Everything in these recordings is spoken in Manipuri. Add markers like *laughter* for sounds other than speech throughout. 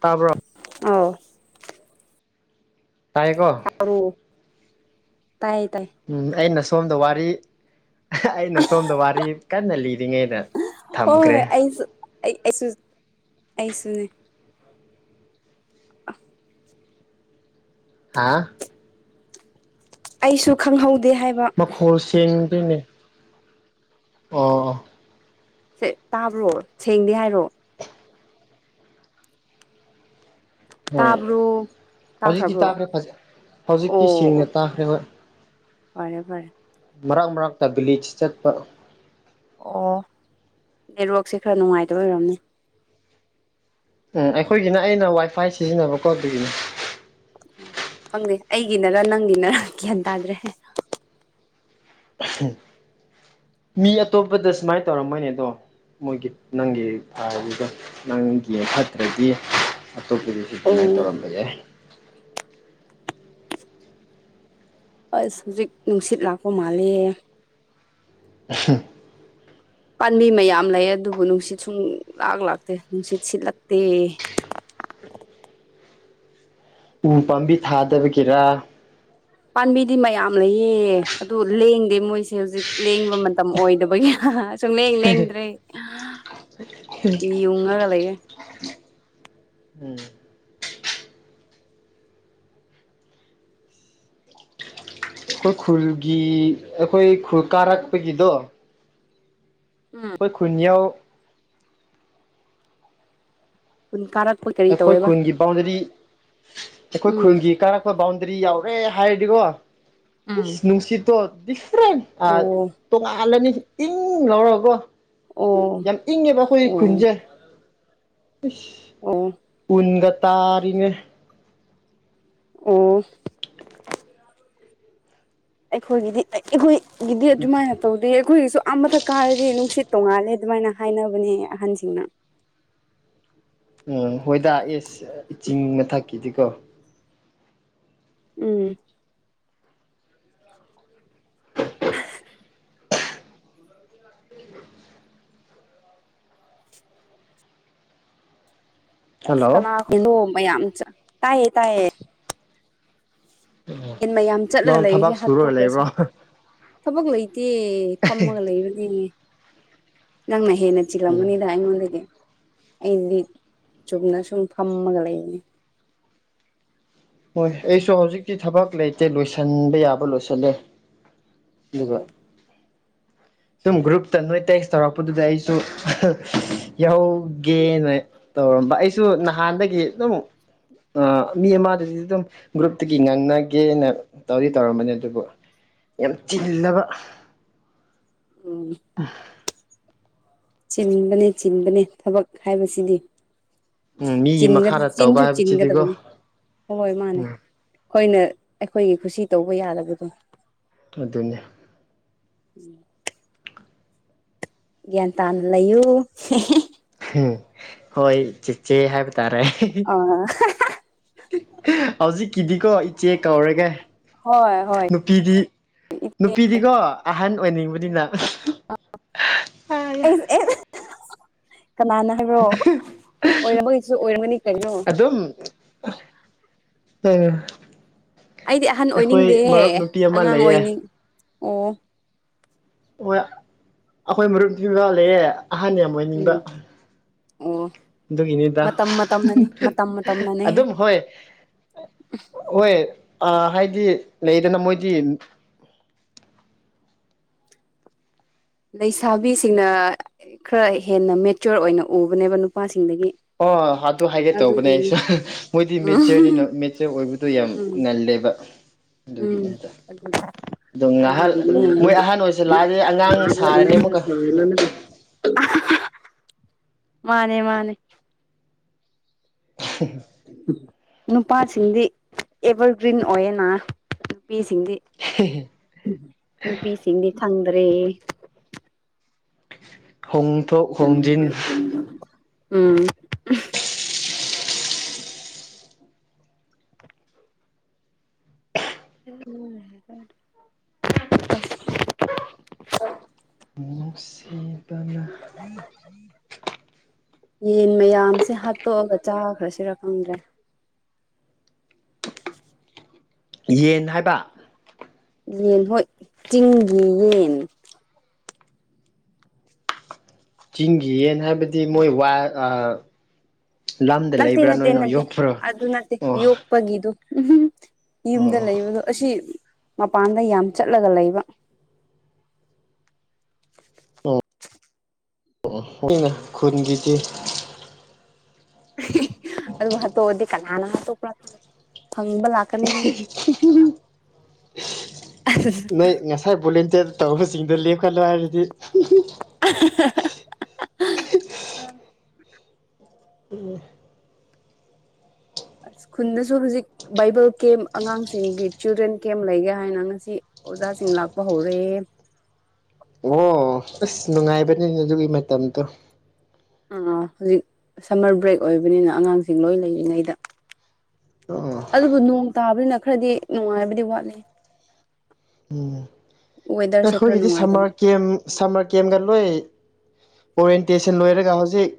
ꯇꯥꯕ꯭ꯔꯣ꯫ ꯑꯥꯎ꯫ ꯇꯥꯏꯀꯣ꯫ ꯇꯥꯏꯌꯦ ꯇꯥꯏ ꯎꯝ ꯑꯩꯅꯁ ꯁꯣꯝꯗ ꯋꯥꯔꯤ꯫ ꯑꯩꯅ ꯁꯣꯝꯗ ꯋꯥꯔꯤ ꯀꯟꯅ ꯂꯤꯔꯤꯉꯩꯗ ꯊꯝꯈ꯭ꯔꯦ꯫ ꯍꯣꯏ ꯑꯩꯁꯨ ꯑꯩ ꯑꯩꯁꯨ ꯑꯩꯁꯨꯅꯦ꯫ ꯍꯥꯥ꯫ ꯑꯩꯁꯨ ꯈꯪꯍꯧ ꯃꯈꯣꯜꯁꯦꯡ ꯁꯤꯅꯦ꯫ ꯑꯣ꯫ ꯁꯦ ꯇꯥꯕ꯭ꯔꯣ ꯁꯦꯡꯗꯦ ꯍꯥꯏꯔꯣ꯫ ꯍꯣꯏ ꯇꯥꯕ꯭ꯔꯣ ꯍꯧꯖꯤꯛꯇꯤ ꯇꯥꯈ꯭ꯔꯕ꯭ꯔꯣ ꯇꯥꯈ꯭ꯔꯦ ꯐ ꯑꯣ ꯍꯧꯖꯤꯛꯤ ꯑꯣ ꯁꯦꯡꯅ ꯇꯥꯈ꯭ꯔꯦ ꯍꯣꯏ꯫ ꯐꯔꯦ ꯐꯔꯦ ꯃꯔꯛ ꯃꯔꯛꯇ ꯕꯂꯤꯆ ꯆꯠꯄ ꯑꯣ ꯅꯦꯠꯋꯥꯛꯁꯦ ꯈꯔ ꯅꯨꯡꯉꯥꯏꯇꯕ ꯑꯣꯏꯔꯝꯅꯤ ꯎꯝ ꯑꯩꯈꯣꯏꯒꯤꯅ ꯑꯩꯅ ꯋꯥꯏꯐꯥꯏ ꯁꯤꯖꯤꯟꯅꯕꯀꯣ ꯑꯗꯨꯒꯤꯅꯦ ꯈꯪꯗꯦ ꯑꯩꯒꯤꯅꯔ ꯅꯪꯒꯤꯅꯔ ꯒ꯭ꯌꯥꯟ ꯇꯥꯗ꯭ꯔꯦ ꯃꯤ ꯑꯇꯣꯞꯄꯗ ꯁꯨꯃꯥꯏꯅ ꯇꯧꯔꯝꯃꯣꯏꯅꯦ ꯑꯗꯣ ꯃꯣꯏꯒꯤ ꯅꯪꯒꯤ ꯐꯔꯤꯗꯣ ꯅꯪꯒꯤ ꯐꯠꯇ꯭ꯔꯗꯤ ꯑꯣ ꯁꯤꯅ ꯇꯧꯔꯝꯕꯒꯦ ꯑꯁ ꯍꯧꯖꯤꯛ ꯅꯨꯡꯁꯤꯠ ꯂꯥꯛꯄ ꯃꯥꯂꯦ *unintelligible* ꯄꯥꯝꯕꯤ ꯃꯌꯥꯝ ꯂꯩ ꯑꯗꯨꯕꯨ ꯅꯨꯡꯁꯤꯠ ꯁꯨꯡ ꯂꯥꯛ ꯂꯥꯛꯇꯦ ꯅꯨꯡꯁꯤꯠ ꯁꯤꯠꯂꯛꯇꯦ ꯎ ꯄꯥꯝꯕꯤ ꯊꯥꯗꯕꯒꯤꯔꯥ ꯄꯥꯝꯕꯤꯗꯤ ꯃꯌꯥꯝ ꯂꯩꯌꯦ ꯑꯗꯨ ꯂꯦꯡꯗꯦ ꯃꯣꯏꯁꯦ ꯍꯧꯖꯤꯛ ꯂꯦꯡꯕ ꯃꯇꯝ ꯑꯣꯏꯗꯕꯒꯤ ꯁꯨꯡ ꯂꯦꯡ ꯂꯦꯡꯗ꯭ꯔꯔꯤ ꯌꯨꯡꯉꯒ ꯂꯩꯔꯦ ꯎꯝ ꯑꯩꯈꯣꯏ ꯈꯨꯜꯒꯤ ꯑꯩꯈꯣꯏ ꯈꯨꯜ ꯀꯥꯔꯛꯄꯒꯤꯗꯣ ꯎꯝ ꯑꯩꯈꯣꯏ ꯈꯨꯟꯌꯥꯎ ꯍꯨꯟ ꯀꯔꯛ ꯑꯩꯈꯣꯏ ꯈꯨꯜꯒꯤ ꯕꯥꯎꯟꯗꯔꯤ ꯑꯩꯈꯣꯏ ꯎꯝ ꯈꯨꯜꯒꯤ ꯀꯥꯔꯛꯄ ꯕꯥꯎꯟꯗꯔꯤ ꯭ꯔꯤ ꯌꯥꯎꯔꯦ ꯍꯥꯏꯔꯗꯤꯒꯣ ꯎꯝ ꯅꯨꯡꯁꯤ ꯇ‌ꯣꯟ ꯑꯣ *unintelligible* *unintelligible* ꯇꯣꯂꯅꯤ ꯏꯪ ꯂꯧꯔꯣꯒꯣ ꯑꯣ ꯌꯥꯝ ꯏꯪꯉꯦꯕ ꯑꯩꯈꯣꯏ ꯑꯣ ꯈꯨꯟꯖꯦ *unintelligible* ꯑꯣ *unintelligible* ꯇꯥꯔꯤꯅꯦ ꯑꯣ ꯑꯩꯈꯣꯏꯒꯤꯗꯤ ꯑꯩꯈꯣꯏ ꯒꯤꯗꯤ ꯑꯗꯨꯃꯥꯏꯅ ꯇꯧꯗꯦ ꯑꯩꯈꯣꯏꯒꯤꯁꯨ ꯑꯥ ꯃꯊꯛ ꯀꯥꯏꯔꯗꯤ ꯅꯨꯡꯁꯤꯠ ꯇꯣꯡꯉꯥꯜꯂꯦ ꯑꯗꯨꯃꯥꯏꯅ ꯍꯥꯏꯅꯕꯅꯦ ꯑꯍꯟꯁꯤꯡꯅ ꯎꯝ ꯍꯣꯏꯗꯥ ꯑ‌ꯦ ꯆꯤꯡ ꯃꯊꯛ ꯀꯤꯗꯤꯀ‌ꯣ ꯎꯝ ꯑꯁ ꯍꯜꯂꯣ ꯀꯅꯥꯗꯣ ꯃꯌꯥꯝ ꯇꯥꯏꯌꯦ ꯇꯥꯏꯌꯦ ꯌꯦꯟ ꯃꯌꯥꯝ ꯆꯠꯂꯒ ꯅꯪ ꯂꯩꯔꯤꯁꯦ ꯊꯕꯛ ꯁꯨꯔꯒ ꯍꯥꯠꯇꯣꯛꯈ꯭ꯔꯁꯤ ꯂꯩꯕ꯭ꯔꯣ ꯊꯕꯛ ꯂꯩꯇꯦ ꯐꯝꯃꯒ ꯂꯩꯕꯅꯦꯅꯦ ꯅꯪꯅꯩ ꯍꯦ ꯅꯆꯤꯜꯂꯝ ꯎꯝ ꯒꯅꯤꯗꯥ ꯑꯩꯉꯣꯟꯗꯒꯤ ꯑꯩꯗꯤ ꯆꯨꯝꯅ ꯁꯨꯝ ꯐꯝꯃꯒ ꯂꯩꯅꯤ꯫ ꯍꯣꯏ ꯑꯩꯁꯨ ꯍꯧꯖꯤꯛꯇꯤ ꯊꯕꯛ ꯂꯩꯇꯦ ꯂꯣꯏꯁꯤꯟꯕ ꯌꯥꯕ ꯂꯣꯏꯁꯤꯜꯂꯦ꯫ ꯑꯗꯨꯒ ꯁꯨꯝ ꯒ꯭ꯔꯨꯞꯇ ꯅꯣꯏ ꯇꯦꯛꯁ ꯇꯧꯔꯛꯄꯗꯨꯗ ꯑꯩꯁꯨ ꯌꯥꯎ ꯒꯦꯅ ꯇꯧꯔꯝꯕ ꯑꯩꯁꯨ ꯅꯍꯥꯟꯗꯒꯤ ꯑꯗꯨꯝ ꯃꯤ ꯑꯃꯗꯨꯗꯤ ꯑꯗꯨꯝ ꯒ꯭ꯔꯨꯞꯇꯒꯤ ꯉꯥꯡꯅꯒꯦꯅ ꯇꯧꯗꯤ ꯇꯧꯔꯝꯕꯅꯦ ꯑꯗꯨꯕꯨ ꯌꯥꯝ ꯆꯤꯜꯂꯕ ꯎꯝ ꯑ ꯆꯤꯟꯕꯅꯦ ꯆꯤꯟꯕꯅꯦ ꯊꯕꯛ ꯍꯥꯏꯕꯁꯤꯗꯤ ꯎꯝ ꯃꯤꯒꯤ ꯃꯈꯥꯗ ꯇꯧꯕ ꯆꯤꯟꯁꯨ ꯍꯥꯏꯕꯁꯤꯗꯤꯀꯣ ꯆꯤꯟꯒꯗꯕꯅꯤ ꯍꯣꯏ ꯃꯥꯅꯦ ꯎꯝ ꯫ ꯍꯣꯏꯅ ꯑꯩꯈꯣꯏꯒꯤ ꯈꯨꯁꯤ ꯇꯧꯕ ꯌꯥꯗꯕꯗꯣ ꯫ ꯑꯗꯨꯅꯦ꯫ ꯎꯝ꯫ ꯒ꯭ꯌꯥꯟ ꯇꯥꯅ ꯂꯩꯌꯨ ꯍꯦ ꯍꯦ ꯫ ꯎꯝ ꯍꯣꯏ ꯆꯦ ꯆꯦ ꯍꯥꯏꯕ ꯇꯔꯦ ꯑꯥꯍꯦ ꯍꯦ꯫ ꯑ ꯍꯧꯖꯤꯛꯀꯤꯗꯤꯀꯣ ꯏꯆꯦ ꯀꯧꯔꯒꯦ ꯍꯣꯏ ꯍꯣꯏ ꯫ ꯅꯨꯄꯤꯗꯤ ꯅꯨꯄꯤꯗꯤꯀꯣ ꯑꯍꯟ ꯑꯣꯏꯅꯤꯡꯕꯅꯤꯅ *unintelligible* ꯀꯅꯥꯅ ꯍꯥꯏꯕꯔꯣ ꯑꯣꯏꯔꯝꯕꯒꯤꯁꯨ ꯑꯣꯏꯔꯝꯒꯅꯤ ꯀꯩꯅꯣ ꯫ ꯑꯥ ꯑꯩꯗꯤ ꯑꯍꯟ ꯑꯣꯏꯅꯤꯡꯗꯦ ꯍꯦ ꯑꯃ ꯑꯉꯥꯡ ꯂꯩꯌꯦ ꯑꯣꯏꯅꯤꯡ ꯑꯣ꯫ ꯍꯣꯏ ꯑꯩꯈꯣꯏ ꯃꯔꯨꯞꯇꯤ ꯃꯥ ꯂꯩꯌꯦ ꯑꯍꯟ ꯌꯥꯝ ꯑꯣꯏꯅꯤꯡꯕ꯫ ꯎꯝ ꯑꯣ ꯑꯗꯨꯒꯤꯅꯤꯗ ꯃꯇꯝ ꯃꯇꯝꯅꯅꯤ ꯃꯇꯝ ꯃꯇꯝꯅꯅꯦꯍꯦ ꯑꯗꯨꯝ ꯍꯣꯏ - ꯍꯣꯏ ꯑꯥ ꯍꯥꯏꯗꯤ ꯂꯩꯗꯅ ꯃꯣꯏꯗꯤ ꯂꯩꯁꯥꯕꯤꯁꯤꯡꯅ ꯈꯔ ꯍꯦꯟꯅ ꯃꯦꯆꯣꯔ ꯑꯣꯏꯅ ꯎꯕꯅꯦꯕ ꯅꯨꯄꯥ ꯑꯣ ꯑꯗꯨ ꯍꯥꯏꯒꯦ ꯇꯧꯕꯅꯦ ꯑꯩꯁꯨ ꯃꯣꯏꯗꯤ ꯃꯦꯆꯔꯅꯤꯅ ꯎꯝ ꯃꯦꯠꯆꯔ ꯑꯣꯏꯕꯗꯣ ꯌꯥꯝ ꯎꯝ ꯉꯜꯂꯦꯕ꯫ ꯎꯝ ꯑꯗꯨꯒꯤꯅꯦ ꯍꯥꯏꯗ ꯑꯗꯣ ꯉꯥꯏꯍꯥꯛ ꯑꯗꯨꯒꯤꯅꯤ ꯃꯣꯏ ꯑꯍꯟ ꯑꯣꯏꯁꯜꯂꯛꯑꯗꯤ ꯑꯉꯥꯡ ꯁꯥꯔꯅꯤ ꯑꯃꯨꯛꯀ *unintelligible* ꯃꯥꯅꯦ - ꯃꯥꯅꯦ꯫ *unintelligible* ꯅꯨꯄꯥꯁꯤꯡꯗꯤ ꯑꯦꯚꯔꯒ꯭ꯔꯤꯟ ꯑꯣꯏꯌꯦꯅꯥ ꯅꯨꯄꯤꯁꯤꯡꯗꯤ *unintelligible* ꯑꯟꯏꯟꯇꯦꯜꯂꯤꯖꯦꯕꯜ ꯅꯨꯄꯤꯁꯤꯡꯗꯤ ꯐꯪꯗ꯭ꯔꯦ ꯍꯣꯡꯊꯣꯛ ꯍꯣꯡꯖꯤꯟ ꯎꯝ *unintelligible* ꯁꯤ ꯇꯜꯂ‌ꯦ ꯌꯦꯟ ꯃꯌꯥꯝꯁꯦ ꯍꯥꯠꯇꯣꯛꯑꯒ ꯆꯥꯈ꯭ꯔꯁꯤꯔ ꯈꯪꯗ꯭ꯔꯦ ꯌꯦꯟ ꯍꯥꯏꯕ ꯌꯦꯟ ꯍꯣꯏ ꯆꯤꯡꯒꯤ ꯌꯦꯟ ꯆꯤꯡꯒꯤ ꯌꯦꯟ ꯍꯥꯏꯕꯗꯤ ꯃꯣꯏ ꯋꯥꯈꯜ ꯑ ꯅꯠꯇꯦ ꯅꯠꯇꯦ ꯅꯠꯇꯦ ꯑꯗꯨ ꯅꯠꯇꯦ ꯑꯣ ꯌꯣꯄꯒꯤꯗꯨ ꯎꯝꯍꯝ ꯑꯣ ꯌꯨꯝꯗ ꯂꯩꯕꯗꯨ ꯑꯁꯤ ꯃꯄꯥꯟꯗ ꯌꯥꯝ ꯆꯠꯂꯒ ꯂꯩꯕ ꯑꯩꯅ ꯈꯨꯟꯒꯤꯗꯤ ꯍꯤ ꯑꯗꯨꯒ ꯍꯥꯠꯇꯣꯛꯑꯗꯤ ꯀꯅꯥꯅ ꯍꯥꯠꯇꯣꯛꯄ ꯑꯍꯤꯍꯤ ꯑꯍꯝꯍꯝ ꯅꯣꯏ ꯉꯁꯥꯏ ꯕꯣꯂꯦꯟ ꯇꯦꯠ ꯇꯧꯕꯁꯤꯡꯗꯣ ꯂꯦꯞꯈꯠꯂꯣ ꯍꯥꯏꯔꯗꯤ ꯑꯍꯍꯍ ꯑꯟꯑꯣꯗꯤꯕꯜ ꯑꯟꯑꯣꯗꯤꯕꯜ ꯎꯝ ꯑꯁ ꯈꯨꯟꯗꯁꯨ ꯍꯧꯖꯤꯛ ꯕꯥꯏꯕꯜ ꯀꯦꯝ ꯑꯉꯥꯡꯁꯤꯡꯒꯤ ꯆꯤꯜꯗ꯭ꯔꯦꯟ ꯀꯦꯝ ꯂꯩꯒꯦ ꯍꯥꯏꯅ ꯉꯁꯤ ꯑꯣꯖꯥꯁꯤꯡ ꯂꯥꯛꯄ ꯍꯧꯔꯦꯌꯦ ꯑꯣ ꯑꯁ ꯅꯨꯡꯉꯥꯏꯕꯅꯤꯅꯦ ꯑꯗꯨꯒꯤ ꯃꯇꯝꯗꯣ ꯑ ꯍꯧꯖꯤꯛ ꯁꯝꯃꯔ ꯕ꯭ꯔꯦꯛ ꯑꯣꯏꯕꯅꯤꯅ ꯑꯉꯥꯡꯁꯤꯡ ꯂꯣꯏ ꯂꯩꯔꯤꯉꯩꯗ ꯑꯣ ꯑꯗꯨꯕꯨ ꯅꯣꯡ ꯇꯥꯕꯅꯤꯅ ꯈꯔꯗꯤ ꯅꯨꯡꯉꯥꯏꯕꯗꯤ ꯋꯥꯠꯅꯤ ꯎꯝ ꯑꯩꯈꯣꯏꯒꯤꯗꯤ ꯅꯨꯡꯉꯥꯏꯇꯕ ꯁꯝꯃꯔ ꯀꯦꯝ ꯁꯝꯃꯔ ꯀꯦꯝꯞ ꯚꯥ ꯂꯣꯏ ꯑꯣꯔꯦꯟꯇꯦꯁꯟ ꯂꯣꯏꯔꯒ ꯍꯧꯖꯤꯛ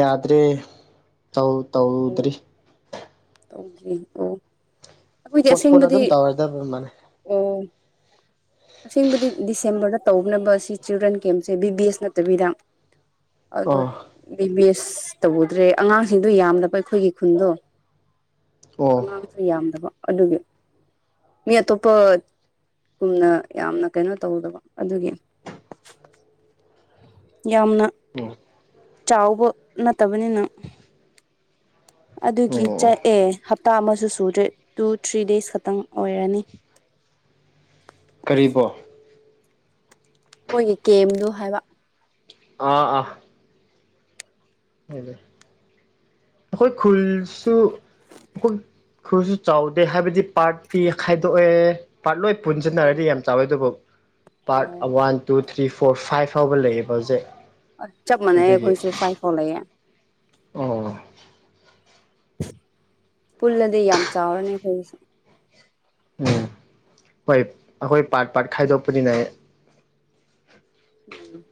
ꯌꯥꯗ꯭ꯔꯦ ꯇꯧ ꯑꯣ ꯇꯧꯗ꯭ꯔꯤ *unintelligible* ꯑꯩꯈꯣꯏꯗꯤ ꯄꯣꯁꯄꯣꯟ ꯑꯁꯦꯡꯕꯗꯤ ꯑꯗꯨꯝ ꯇꯧꯔꯗꯕ ꯃꯥꯜꯂꯦ ꯑ‌ꯣ ꯑꯁꯦꯡꯕꯗꯤ ꯗꯤꯁꯦꯝꯕꯔꯗ ꯇꯧꯅꯕ ꯁꯤ ꯆꯤꯜꯗ꯭ꯔꯦꯟ ꯀꯦꯝꯁꯦ ꯕꯤ ꯕꯤ ꯑꯦꯁ ꯅꯠꯇꯕꯤꯗ ꯑꯗꯨ ꯑꯣ ꯕꯤꯕꯤ ꯑꯦꯁ ꯁ ꯇꯧꯗ꯭ꯔꯦ ꯑꯉꯥꯡꯁꯤꯡꯗꯣ ꯌꯥꯝꯗꯕ ꯑꯩꯈꯣꯏꯒꯤ ꯈꯨꯟꯗꯣ ꯑꯣ ꯑꯉꯥꯡꯁꯨ ꯌꯥꯝꯗꯕ ꯑꯗꯨꯒꯤ ꯃꯤ ꯑꯇꯣꯞꯄꯒꯨꯝꯅ ꯌꯥꯝꯅ ꯀꯩꯅꯣ ꯇꯧꯗꯕ ꯑꯗꯨꯒꯤ ꯌꯥꯝꯅ ꯆꯥꯎꯕ ꯅꯠꯇꯕꯅꯤꯅ ꯑꯗꯨꯒꯤ ꯆ ꯑꯣ ꯑꯦ ꯍꯞ ꯍꯞꯇꯥ ꯑꯃꯁꯨ ꯁꯨꯗ꯭ꯔꯦ ꯇꯨ ꯊ꯭ꯔꯤ ꯗꯦꯖ ꯈꯛꯇꯪ ꯑꯣꯏꯔꯅꯤ꯫ ꯀꯔꯤꯕꯣ? ꯃꯣꯏꯒꯤ ꯀꯦꯝꯗꯣ ꯍꯥꯏꯕ꯫ ꯑꯥ - ꯑꯥ -ꯑꯥ꯫ *unintelligible* ꯈꯨꯜꯁꯨ *unintelligible* ꯈꯨꯜꯁꯨ ꯆꯥꯎꯗꯦ ꯍꯥꯏꯕꯗꯤ ꯄꯥꯔꯠꯇꯤ ꯈꯥꯏꯗꯣꯛꯑꯦ꯫ ꯄꯥꯔꯠꯂꯣꯏ ꯄꯨꯟꯁꯤꯟꯅꯔꯗꯤ ꯌꯥꯝ ꯆꯥꯎꯋꯦ ꯑꯗꯨꯕꯨ ꯑꯣ part one two three four five ꯐꯥꯎꯕ ꯂꯩꯌꯦꯕ ꯍꯧꯖꯤꯛ꯫ ꯆꯞ ꯃꯥꯟꯅꯩ ꯑꯗꯨꯒꯤ ꯑꯩꯈꯣꯏꯁꯨ ꯐꯥꯏ ꯐꯥꯎ ꯂꯩꯌꯦ꯫ ꯑꯣ꯫ ꯄꯨꯜꯂꯗꯤ ꯌꯥꯝ ꯆꯥꯎꯔꯅꯤ ꯑꯩꯈꯣꯏꯒꯤꯁꯨ꯫ ꯎꯝ ꯍꯣꯏ ꯑꯩꯈꯣꯏ ꯄꯥꯔꯠ - ꯄꯥꯔꯠ ꯈꯥꯏꯗꯣꯛꯄꯅꯤꯅ ꯎꯝ꯫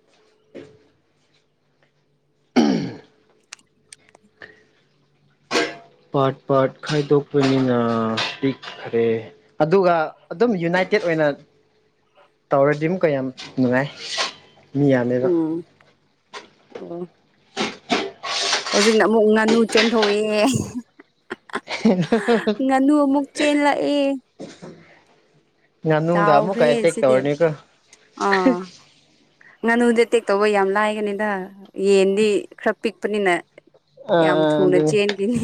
ꯄꯥꯔꯠ - ꯄꯥꯔꯠ ꯈꯥꯏꯗꯣꯛꯄꯅꯤꯅ ꯄꯤꯛꯈ꯭ꯔꯦ ꯑꯗꯨꯒ ꯑꯗꯨꯝ ꯌꯨꯅꯥꯏꯇꯦꯠ ꯑꯣꯏꯅ ꯇꯧꯔꯗꯤ ꯑꯃꯨꯛꯀ ꯌꯥꯝ ꯅꯨꯡꯉꯥꯏ꯫ ꯃꯤ ꯌꯥꯝꯃꯦꯕ ꯫ ꯎꯝ ꯑꯣ꯫ ꯍꯧꯖꯤꯛꯅ ꯑꯃꯨꯛ ꯉꯥꯅꯨ ꯆꯦꯟꯊꯣꯛꯑꯦ꯫ ꯉꯥꯅꯨ ꯑꯃꯨꯛ ꯆꯦꯜꯂꯛꯏ꯫ ꯉꯥꯅꯨ ꯗ ꯑꯥꯃꯨꯛꯀ ꯑꯦꯇꯦꯛ ꯁꯤꯗꯤ ꯇꯧꯔꯥꯅꯤ ꯀꯣ ꯫ ꯑꯥ ꯉꯥꯅꯨꯗꯤ ꯑꯦꯇꯦꯛ ꯇꯧꯕ ꯌꯥꯝ ꯂꯥꯏꯒꯅꯤꯗ ꯌꯦꯟꯗꯤ ꯈꯔ ꯄꯤꯛꯄꯅꯤꯅ ꯑꯥ ꯌꯥꯝ ꯑꯥ ꯊꯨꯅ ꯑꯗꯨꯅꯤ ꯆꯦꯟꯈꯤꯅꯤ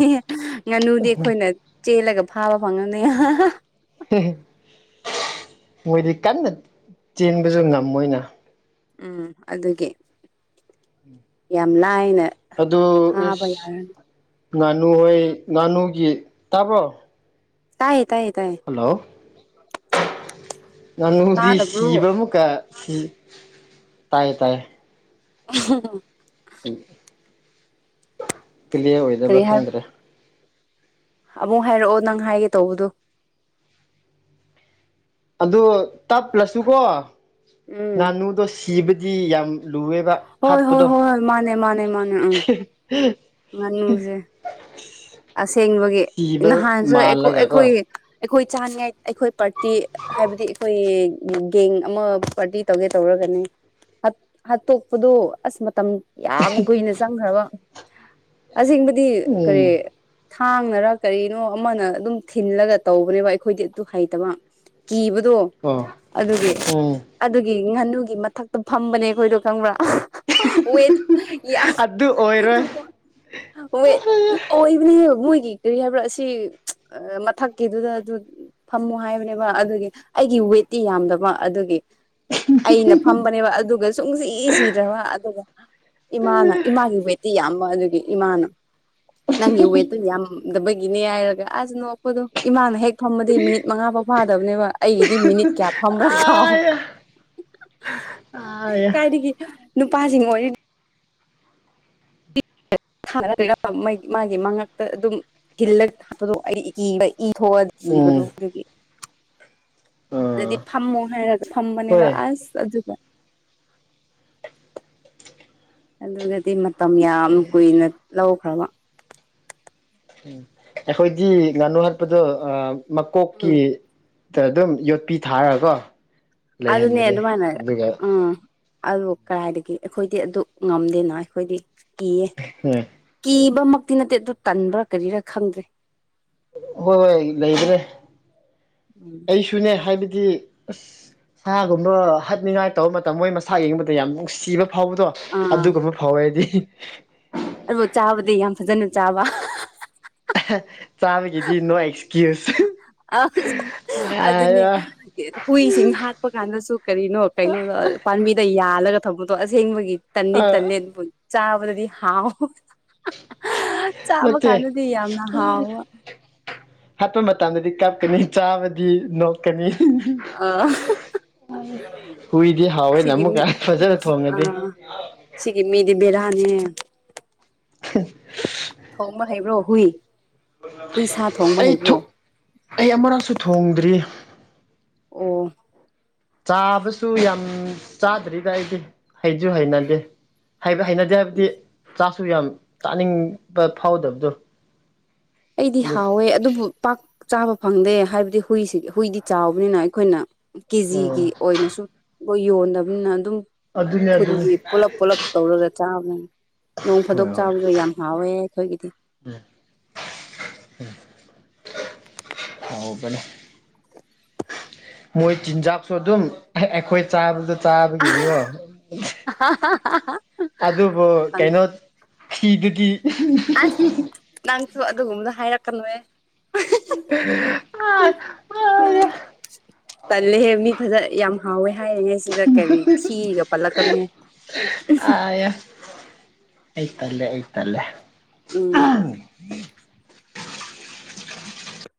ꯉꯥꯅꯨꯗꯤ ꯑꯩꯈꯣꯏꯅ ꯆꯦꯂꯒ ꯐꯥꯕ ꯐꯪꯉꯅꯤ ꯑꯍꯥ ꯍꯥ ꯫ ꯃꯣꯏꯗꯤ ꯀꯟꯅ ꯆꯦꯟꯕꯁꯨ ꯉꯝ ꯃꯣꯏꯅ꯫ ꯎꯝ ꯑꯗꯨꯒꯤ ꯌꯥꯝ ꯂꯥꯏꯅ ꯑꯗꯨ ꯐꯥꯕ ꯏꯁ! ꯌꯥꯔꯅꯤ ꯉꯥꯅꯨ ꯍꯣꯏ ꯉꯥꯅꯨꯒꯤ ꯇꯥꯕ꯭ꯔꯣ? ꯇꯥꯏ - ꯇꯥꯏ꯫ ꯍꯜꯂꯥꯎ ꯉꯥꯅꯨꯗꯤ ꯇꯥꯗꯕ꯭ꯔꯣ ꯁꯤꯕ ꯑꯃꯨꯛꯀ ꯇꯥꯏꯌꯦ ꯇꯥꯏꯌꯦ ꯑꯝꯍꯝꯝ ꯑꯟꯑꯣꯗꯤꯕꯜ ꯀꯦꯂꯤꯌꯥꯔ ꯑꯣꯏꯗꯕ꯭ꯔ ꯀꯔꯤ ꯍꯥꯏ ꯈꯪꯗ꯭ꯔꯦ ꯑꯃꯨꯛ ꯍꯥꯏꯔꯛꯑꯣ ꯅꯪ ꯍꯥꯏꯒꯦ ꯇꯧꯕꯗꯣ ꯑꯗꯨ ꯇꯞꯂꯁꯨꯀꯣ ꯎꯝ ꯉꯥꯅꯨꯗꯣ ꯁꯤ ꯀꯤꯕꯗꯤ ꯌꯥꯝ ꯂꯨꯑꯦꯕ ꯍꯣꯏ ꯍꯣꯏ ꯍꯥꯠꯄꯗꯣ ꯍꯣꯏ ꯃꯥꯅꯦ ꯃꯥꯅꯦ ꯃꯥꯅꯦ ꯎꯝ ꯉꯥꯅꯨꯁꯦ ꯑꯟꯑꯣꯗꯤꯕꯜ ꯑꯁꯦꯡꯕꯒꯤ ꯅꯍꯥꯟꯁꯨ ꯑꯩꯈꯣ ꯃꯥꯜꯂꯒꯀꯣ ꯑꯩꯈꯣꯏꯒꯤ ꯑꯩꯈꯣꯏ ꯆꯥꯅꯤꯡꯉꯥꯏ ꯑꯩꯈꯣꯏ ꯄꯔ ꯇꯤ ꯍꯥꯏꯕꯗꯤ ꯑꯩꯈꯣꯏ ꯒꯦꯡ ꯑꯃ ꯄꯥꯔꯇꯤ ꯇꯧꯒꯦ ꯇꯧꯔꯒꯅꯦ ꯍꯥꯠ ꯍꯥꯠꯇꯣꯛꯄꯗꯣ ꯑꯁ ꯃꯇꯝ ꯌꯥꯝ ꯀꯨꯏꯅ ꯆꯪꯒ꯭ꯔꯕ ꯑꯟꯑꯣꯗꯤꯕꯜ ꯑꯁꯦꯡꯕꯗꯤ ꯎꯝ ꯀꯔꯤ ꯊꯥꯡꯅꯔꯥ ꯀꯔꯤꯅꯣ ꯑꯃꯅ ꯑꯗꯨꯝ ꯊꯤꯟꯂꯒ ꯇꯧꯕꯅꯦꯕ ꯑꯩꯈꯣꯏꯗꯤ ꯑꯗꯨ ꯍꯩꯇꯕ ꯀꯤꯕꯗꯣ ꯑꯣ ꯑꯗꯨꯒꯤ ꯎꯝ ꯑꯗꯨꯒꯤ ꯉꯥꯅꯨ ꯒꯤ ꯃꯊꯛꯇ ꯐꯝꯕꯅꯦ ꯑꯩꯈꯣꯏꯗꯣ ꯈꯪꯕ꯭ꯔꯥ ꯑꯍꯍꯍ ꯋꯦꯠ ꯌꯥꯝ ꯑꯗꯨ ꯑꯣꯏꯔꯣꯏ ꯋ ꯋꯦꯠ ꯑꯣꯏ ꯅꯦ ꯃꯣꯏꯒꯤ ꯀ꯭ꯔꯤ ꯍꯥꯏꯕ꯭ꯔꯥ ꯑꯁꯤ ꯑ ꯃꯊꯛꯀꯤꯗꯨꯗ ꯑꯗꯨ ꯐꯝꯃꯣ ꯍꯥꯏꯕꯅꯦꯕ ꯑꯗꯨꯒꯤ ꯑꯩꯒꯤ ꯋꯦꯠꯇꯤ ꯌꯥꯝꯗꯕ ꯑꯗꯨꯒꯤ ꯑꯩꯅ ꯐꯝꯕꯅꯦꯕ ꯑꯗꯨꯒ ꯁꯨꯡꯁꯤ ꯁꯤꯗ꯭ꯔꯕ ꯑꯗꯨꯒ ꯏꯃꯥꯅ ꯏꯃꯥꯒꯤ ꯋꯦꯠꯇꯤ ꯌꯥꯝ ꯕ ꯑꯗꯨꯒꯤ ꯏꯃꯥꯅ ꯅꯪꯒꯤ ꯋꯦꯠꯇꯨ ꯌꯥꯝꯗꯕꯒꯤ ꯅꯤꯅꯦ ꯍꯥꯏꯔꯒꯥ ꯑꯁ ꯅꯣꯛꯄꯗꯣ ꯏꯃꯥꯅ ꯍꯦꯛ ꯐꯝꯕꯗꯤ ꯃꯤꯅꯤꯠ ꯃꯉꯥꯐꯥꯎ ꯐꯥꯗꯕꯅꯦꯕ ꯑꯩꯒꯤꯗꯤ ꯃꯤꯅꯤꯠ ꯀꯌꯥ ꯐꯝꯕ꯭ꯔꯥ ꯈꯥꯎ ꯑꯥꯏꯌꯥ ꯑꯥꯏꯌꯥ ꯀꯥꯏꯗꯒꯤ ꯅꯨꯄꯥꯖꯤꯡ ꯑꯣꯏꯔꯗ ꯑꯟꯏꯟꯇꯦꯜꯂꯤꯖꯦꯕꯜ ꯃꯥꯒꯤ ꯃꯉꯛꯇ ꯑꯗꯨꯝ ꯊꯤꯜꯂꯒ ꯑꯟꯏꯟꯇꯦꯜꯂꯤꯖꯦꯕꯜ ꯏ ꯊꯣꯛꯄ ꯀꯤꯕꯗꯣ ꯎꯝ ꯑꯗꯨꯒꯤ ꯑꯥ ꯑꯗꯨꯗꯤ ꯐꯝꯃꯣ ꯍꯥꯏꯔꯒ ꯐꯝꯕꯅꯦꯕ ꯍꯣꯏ ꯑꯁ ꯑꯗꯨꯒ ꯑꯗꯨꯒꯗꯤ ꯃꯇꯝ ꯌꯥꯝ ꯀꯨꯏꯅ ꯂꯧꯈ꯭ꯔꯕ꯫ ꯑꯩꯈꯣꯏꯗꯤ ꯉꯥꯅꯨ ꯍꯥꯠꯄꯗꯨ ꯑ ꯎꯝ ꯃꯀꯣꯛꯀꯤ ꯑꯗꯨꯝ ꯌꯣꯠꯄꯤ ꯊꯥꯔꯀꯣ ꯑꯗꯨꯅꯦ ꯑꯗꯨ ꯃꯥꯏꯅ ꯑ ꯫ ꯑꯗꯨꯕꯨ ꯀꯗꯥꯏꯗꯒꯤ ꯑꯩꯈꯣꯏꯗꯤ ꯑꯗꯨ ꯉꯝꯗꯦꯅ ꯑꯩꯈꯣꯏꯗꯤ ꯫ ꯀꯤꯌꯦ ꯎꯝ ꯀꯤꯕ ꯃꯛ ꯇꯤ ꯅꯠꯇꯦ ꯑꯗꯨ ꯇꯟꯕ꯭ꯔꯥ ꯀꯔꯤꯔꯥ ꯈꯪꯗ꯭ꯔꯦ꯫ ꯍꯣꯏ- ꯍꯣꯏ ꯂꯩꯗ꯭ꯔꯦ꯫ ꯑꯩꯁꯨꯅꯦ ꯍꯥꯏꯕ ꯏ ꯑꯁ ꯁꯥꯒꯨꯝꯕ ꯍꯥꯠꯅꯤꯡꯉꯥꯏ ꯇꯧꯕ ꯃꯇꯝ ꯃꯣꯏ ꯃꯁꯥ ꯌꯦꯡꯕꯗ ꯌꯥꯝ ꯅꯨꯡꯁꯤꯕ ꯐꯥꯎꯕꯗꯣ ꯑꯗꯨꯒꯨꯝꯕ ꯐꯥꯎꯋꯦ ꯑꯩꯗꯤ꯫ ꯑꯗꯨꯕꯨꯣ ꯆꯥꯕꯗꯤ ꯌꯥꯝ ꯐꯖꯅ ꯆꯥꯕ ꯫ ꯆꯥꯕꯒꯤꯗꯤ ꯅꯣ ꯏꯁ ꯑ ꯑꯗꯨꯅꯦ ꯑ ꯍꯨꯏꯁꯤꯡ ꯍꯥꯥꯠꯄ ꯀꯥꯟꯗꯁꯨ ꯀꯔꯤꯅꯣ ꯀꯩꯅꯣꯗ ꯄꯥꯝꯕꯤꯗ ꯌꯥꯜꯂꯒ ꯊꯧꯕꯗꯣ ꯑꯁꯦꯡꯕꯒꯤ ꯇꯟꯗꯤ ꯑ ꯇꯜꯂꯦ ꯑꯗꯨꯕꯨ ꯆꯥꯕꯗꯗꯤ ꯍꯥꯎ ꯆꯥꯕ ꯅꯠꯇꯦ ꯀꯥꯟꯗꯗꯤ ꯌꯥꯝꯅ ꯍꯥꯎꯕ꯫ ꯍꯥꯠꯄ ꯃꯇꯝꯗꯗꯤ ꯀꯥꯞꯀꯅꯤ ꯆꯥꯕꯗꯤ ꯅꯣꯛꯀꯅꯤ꯫ ꯑ ꯍꯨꯏꯗꯤ ꯍꯥꯎꯋꯦꯅ ꯁꯤꯒꯤ ꯃꯤ ꯑꯃꯨꯛꯀ ꯐꯖꯅ ꯑ ꯊꯣꯡꯉꯗꯤ ꯁꯤꯒꯤ ꯃꯤꯗꯤ ꯕꯤꯔꯥ *unintelligible* *unintelligible* ꯍꯨꯏ ꯍꯨꯏ ꯁꯥ ꯊꯣꯡꯕ ꯑꯩ ꯍꯩꯕ꯭ꯔꯣ ꯑꯩ ꯑꯃꯔꯛꯁꯨ ꯊꯣꯡꯗ꯭ꯔꯤ꯫ ꯑꯣ꯫ ꯆꯥꯕꯁꯨ ꯌꯥꯝ ꯆꯥꯗ꯭ꯔꯤꯗ ꯑꯩꯗꯤ ꯍꯩꯖꯨ ꯍꯩꯅꯗꯦ꯫ ꯍꯥꯏꯕ ꯍꯩꯅꯗꯦ ꯍꯥꯏꯕꯗꯤ ꯆꯥ ꯁꯨ ꯌꯥꯝ ꯆꯥꯅꯤꯡꯕ ꯐꯥꯎꯗꯕꯗꯣ ꯫ ꯑꯩꯗꯤ ꯍꯥꯎꯋꯦ ꯑꯗꯨꯕꯨ ꯄꯥꯛ ꯆꯥꯕ ꯐꯪꯗꯦ ꯍꯥꯏꯕꯗꯤ ꯍꯨꯏꯁꯤ ꯍꯨꯏꯗꯤ ꯆꯥꯎꯕꯅꯤꯅ ꯑꯩꯈꯣꯏꯅ ꯀꯦꯖꯤꯒꯤ ꯎꯝ ꯑꯣꯏꯅꯁꯨ ꯃꯣꯏ ꯌꯣꯟꯗꯕꯅꯤꯅ ꯑꯗꯨꯝ ꯎ ꯑꯗꯨꯅꯦ ꯑꯗꯨꯅꯤ ꯈꯨꯟꯒꯤ ꯄꯨꯂꯞ - ꯄꯨꯂꯞ ꯇꯧꯔꯒ ꯆꯥꯕꯅꯤ꯫ ꯅꯣꯡ ꯐꯥꯗꯣꯛ ꯍꯣꯏ ꯍꯣꯏ ꯆꯥꯕꯗ ꯌꯥꯝ ꯍꯥꯎꯋꯦ ꯑꯩꯈꯣꯏꯒꯤꯗꯤ꯫ ꯎꯝ ꯍꯥꯎꯕꯅꯦ ꯃꯣꯏ ꯆꯤꯟꯖꯥꯛꯁꯨ ꯑꯗꯨꯝ ꯑꯩꯈꯣꯏ ꯆꯥꯕꯗ ꯆꯥꯕꯒꯤꯗꯤꯀꯣ ꯍꯥ ꯍꯥ ꯑꯗꯨꯕꯨ ꯀꯩꯅꯣ ꯊꯤꯗꯨꯗꯤ ꯒꯤ ꯑꯁ ꯅꯪ ꯑꯗꯨ ꯑꯗꯨꯒꯨꯝꯕꯗ ꯍꯥꯏꯔꯛꯀꯅꯨꯍꯦ ꯇꯜꯂꯤꯍꯦ ꯃꯤ ꯐꯖꯟ ꯌꯥꯝ ꯍꯥꯎꯋꯦ ꯍꯥꯏꯔꯤꯉꯩ ꯁꯤꯗ ꯀꯔꯤ ꯊꯤꯒ ꯄꯜꯂꯛꯀꯅꯨꯍꯦ ꯑꯩ ꯇꯜꯂꯦ ꯑꯩ ꯇꯜꯂꯦ ꯎꯝ